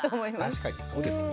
確かにそうですね。